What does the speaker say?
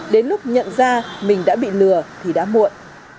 đến lúc nhận ra mình đã bị lừa thì đã muộn